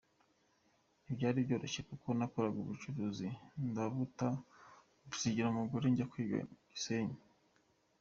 Ntibyari byoroshye kuko nakoraga ubucuruzi, ndabuta mbusigira umugore njya kwiga ku Gisenyi.